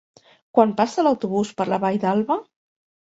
Quan passa l'autobús per la Vall d'Alba?